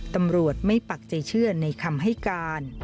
ตำรวจไม่ปักใจเชื่อในคำให้การ